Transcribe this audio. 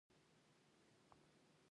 وروسته کوشانیان راغلل